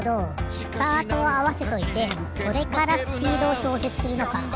スタートをあわせといてそれからスピードをちょうせつするのか。